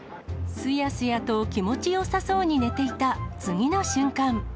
すやすやと気持ちよさそうに寝ていた次の瞬間。